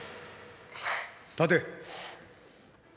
立て！